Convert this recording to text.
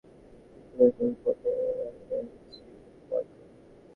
এমনিতেই জনসনের বলে জেরবার, এবার ইংলিশ অধিনায়ক অ্যালিস্টার কুককে হুল ফোটালেন জিওফ বয়কট।